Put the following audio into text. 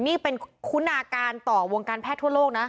นี่เป็นคุณาการต่อวงการแพทย์ทั่วโลกนะ